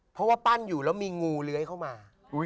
เพราะว่าปั้นอยู่แล้วมีงูเลื้อยเข้ามา